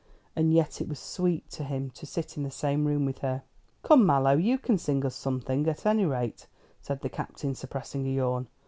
And yet it was sweet to him to sit in the same room with her. "Come, Mallow, you can sing us something, at any rate," said the Captain, suppressing a yawn.